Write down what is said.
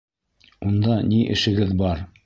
Унда ни эшегеҙ бар?